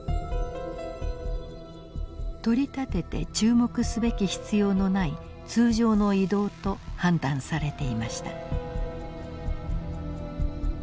取り立てて注目すべき必要のない通常の移動と判断されていました。